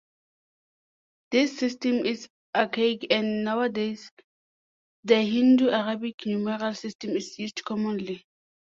This system is archaic and nowadays the Hindu–Arabic numeral system is used commonly.